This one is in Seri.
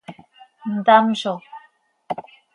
ntamzo?